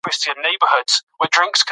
هوا د افغانستان د طبعي سیسټم توازن ساتي.